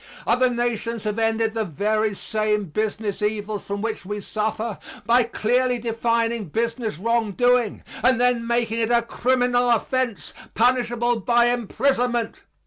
Other nations have ended the very same business evils from which we suffer by clearly defining business wrong doing and then making it a criminal offense, punishable by imprisonment.